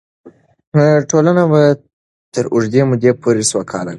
ټولنه به تر اوږدې مودې پورې سوکاله وي.